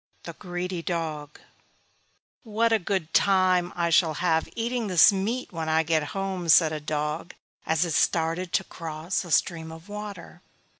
THE GREEDY DOG "What a good time I shall have eating this meat when I get home!" said a dog as it started to cross a stream of water.